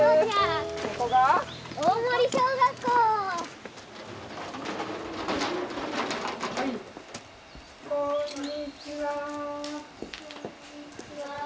こんにちは。